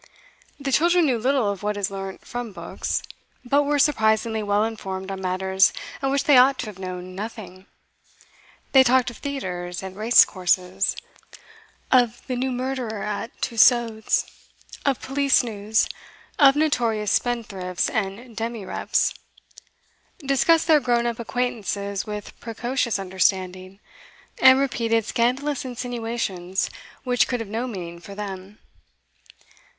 The children knew little of what is learnt from books, but were surprisingly well informed on matters of which they ought to have known nothing; they talked of theatres and race courses, of 'the new murderer' at Tussaud's, of police news, of notorious spendthrifts and demi reps; discussed their grown up acquaintances with precocious understanding, and repeated scandalous insinuations which could have no meaning for them.